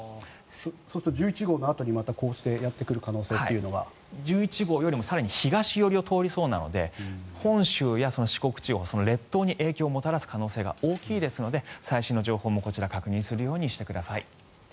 そうすると１１号のあとにまたやってくる１１号よりも東側を通りそうなので本州や四国地方列島に影響をもたらす可能性が大きいですので最新の情報も、こちら確認するようにしてください。